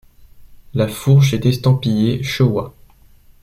La fourche est estampillée Showa.